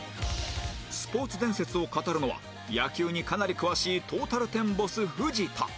スポーツ伝説を語るのは野球にかなり詳しいトータルテンボス藤田